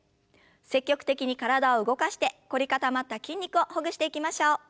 積極的に体を動かして凝り固まった筋肉をほぐしていきましょう。